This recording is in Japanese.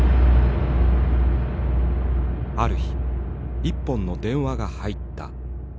ある日一本の電話が入った。